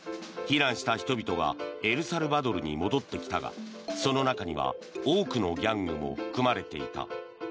避難した人々がエルサルバドルに戻ってきたがその中には多くのギャングも含まれていた。